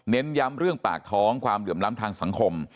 ย้ำเรื่องปากท้องความเหลื่อมล้ำทางสังคม